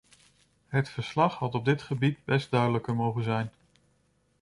Het verslag had op dit gebied best duidelijker mogen zijn.